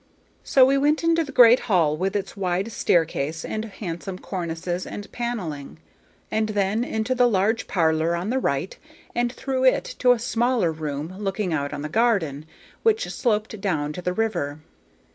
So we went into the great hall with its wide staircase and handsome cornices and panelling, and then into the large parlor on the right, and through it to a smaller room looking out on the garden, which sloped down to the river.